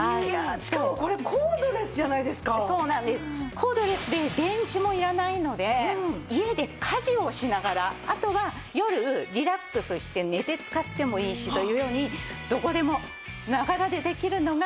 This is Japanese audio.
コードレスで電池も要らないので家で家事をしながらあとは夜リラックスして寝て使ってもいいしというようにどこでも「ながら」でできるのがポイントなんです。